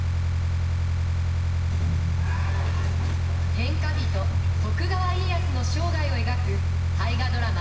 天下人徳川家康の生涯を描く大河ドラマ